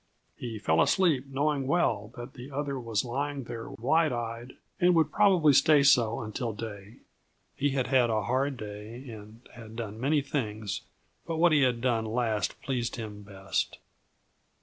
He fell asleep knowing well that the other was lying there wide eyed and would probably stay so until day. He had had a hard day and had done many things, but what he had done last pleased him best.